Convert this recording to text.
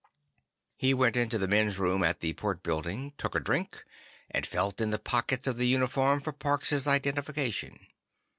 He went into the men's room at the Port Building, took a drink, and felt in the pockets of the uniform for Parks' identification.